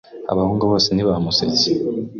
Abahungu bose ntibamusetse.